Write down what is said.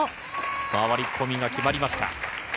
回り込みが決まりました。